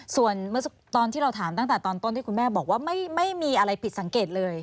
ส่วนเมื่อตอนที่เราถามตั้งแต่ตอนต้นที่คุณแม่บอกว่าไม่มีอะไรผิดสังเกตเลย